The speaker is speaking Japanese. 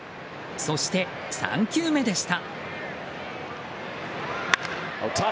そして３球目でした。